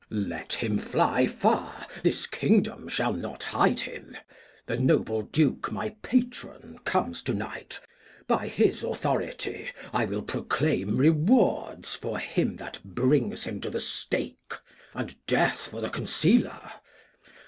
Glost. Let him fly far, this Kingdom shall not hide him: The Noble Duke, my Patron comes to Night ; By his Authority I will proclaim Rewards for him that brings him to the Stake, And Death for the Concealer.